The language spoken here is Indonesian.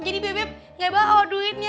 jadi bebek gak bawa duitnya